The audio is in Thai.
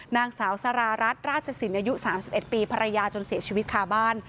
นางสาวสารารัฐราชศิลป์อายุสามสิบเอ็ดปีภรรยาจนเสียชีวิตค่าบ้าน